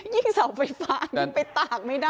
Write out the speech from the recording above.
เสาไฟฟ้ายิ่งไปตากไม่ได้